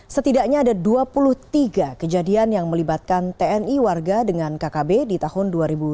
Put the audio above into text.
setidaknya ada dua puluh tiga kejadian yang melibatkan tni warga dengan kkb di tahun dua ribu dua puluh